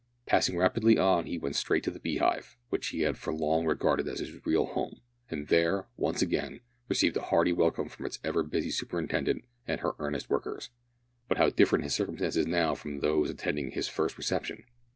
Passing rapidly on he went straight to the Beehive, which he had for long regarded as his real home, and there, once again, received a hearty welcome from its ever busy superintendent and her earnest workers; but how different his circumstances now from those attending his first reception!